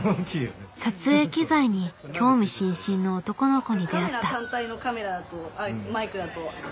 撮影機材に興味津々の男の子に出会った。